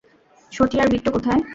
ছোটি আর বিট্টো কোথায়?